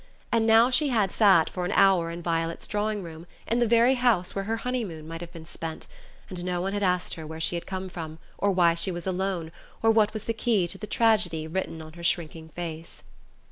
And now she had sat for an hour in Violet's drawing room, in the very house where her honey moon might have been spent; and no one had asked her where she had come from, or why she was alone, or what was the key to the tragedy written on her shrinking face....